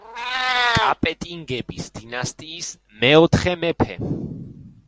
კაპეტინგების დინასტიის მეოთხე მეფე.